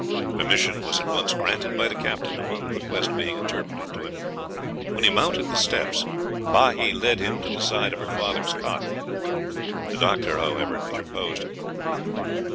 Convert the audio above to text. Permission was at once granted by the captain, upon the request being interpreted to him. When he mounted the steps, Bahi led him to the side of her father's cot. The doctor, however, interposed.